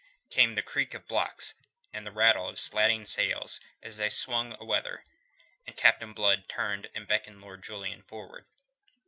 Came the creak of blocks and the rattle of slatting sails as they swung aweather, and Captain Blood turned and beckoned Lord Julian forward.